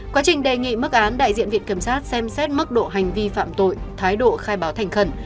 quá trình đề nghị mức án đại diện viện kiểm sát xem xét mức độ hành vi phạm tội thái độ khai báo thành khẩn